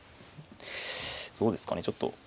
どうですかねちょっと。